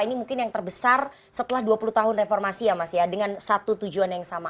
ini mungkin yang terbesar setelah dua puluh tahun reformasi ya mas ya dengan satu tujuan yang sama